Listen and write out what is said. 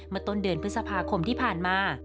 ต้นเดือนพฤษภาคมที่ผ่านมา